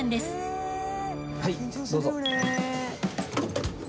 はいどうぞ！